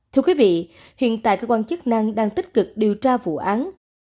thưa quý vị hiện tại cơ quan chức năng đang tích cực điều tra vụ án